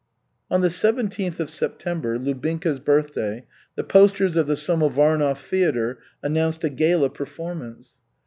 On the seventeenth of September, Lubinka's birthday, the posters of the Samovarnov theatre announced a gala performance.